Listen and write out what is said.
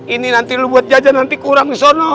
ini nanti lo buat jajan nanti kurang disono